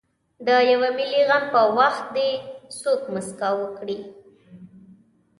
د یوه ملي غم په وخت دې څوک مسکا وکړي.